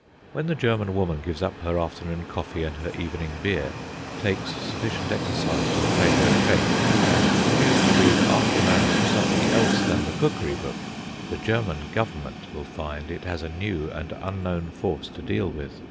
When the German woman gives up her afternoon coffee and her evening beer, takes sufficient exercise to retain her shape, and continues to read after marriage something else than the cookery book, the German Government will find it has a new and unknown force to deal with.